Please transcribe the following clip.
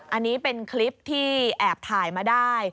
อันนี้เป็นคลิปที่แอบถ่ายมาได้